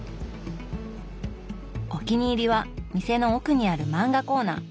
お気に入りは店の奥にある漫画コーナー。